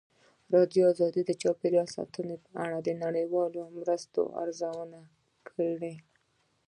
ازادي راډیو د چاپیریال ساتنه په اړه د نړیوالو مرستو ارزونه کړې.